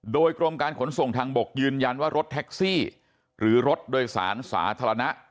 โดยกรมการขนส่งทางบกยืนยันว่ารถแท็กซี่หรือรถโดยสารสาธารณะ